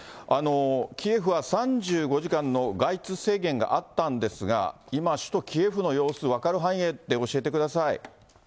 キエフは３５時間の外出制限があったんですが、今、首都キエフの様子、分かる範囲で教えてください。